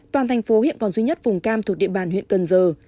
toàn thành phố hiện còn duy nhất vùng cam thuộc địa bàn huyện cần giờ